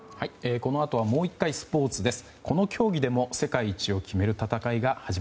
このあとはもう１回スポーツです。